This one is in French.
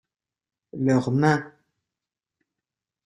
Leur main.